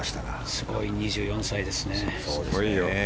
すごい２４歳ですね。